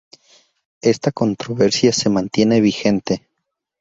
Esta controversia se mantiene vigente.